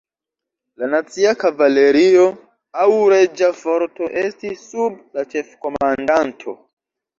La "Nacia Kavalerio" aŭ "Reĝa Forto" estis sub la ĉefkomandanto.